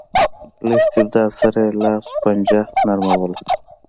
له استبداد سره یې لاس و پنجه نرموله.